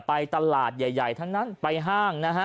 ไปตลาดใหญ่ทั้งนั้นไปห้างนะฮะ